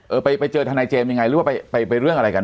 เออไปเจอทนายเจมส์ยังไงหรือว่าไปไปเรื่องอะไรกัน